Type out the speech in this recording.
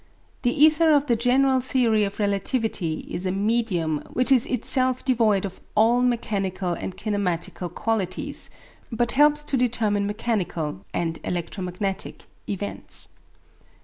The ether of the general theory of relativity is a medium which is itself devoid of all mechanical and kinematical qualities, but helps to determine mechanical (and electromagnetic) events.